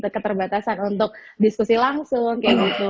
keterbatasan untuk diskusi langsung kayak gitu